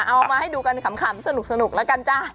เอามาให้ดูกันขำสนุกแล้วกันจ้ะ